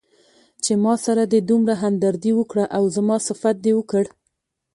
چې ماسره دې دومره همدردي وکړه او زما صفت دې وکړ.